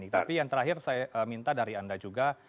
tapi yang terakhir saya minta dari anda juga